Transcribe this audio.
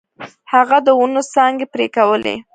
هغه د ونو څانګې پرې کولې.